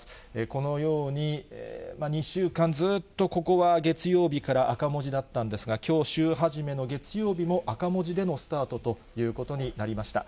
このように、２週間ずっとここは月曜日から赤文字だったんですが、きょう、きょう週初めの月曜日も、赤文字でのスタートということになりました。